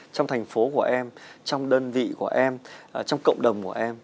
trong thành phố của em trong đơn vị của em trong cộng đồng của em